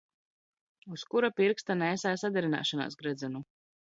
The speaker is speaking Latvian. Uz kura pirksta nēsā saderināšānās gredzenu?